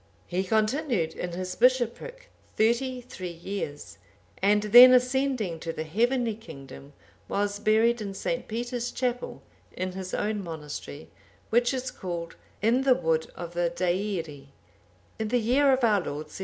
He continued in his bishopric thirty three years,(791) and then ascending to the heavenly kingdom, was buried in St. Peter's Chapel, in his own monastery, which is called, "In the wood of the Deiri,"(792) in the year of our Lord 721.